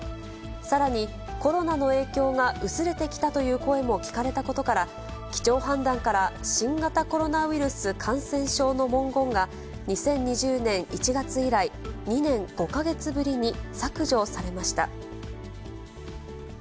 さらに、コロナの影響が薄れてきたという声も聞かれたことから、基調判断から新型コロナウイルス感染症の文言が、２０２０年１月以来、２年５か月ぶりに削除されました。